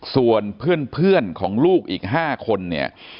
ส่วนเพื่อนของลูกอีก๕คนเนี่ย